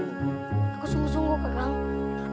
aku sungguh sungguh kakak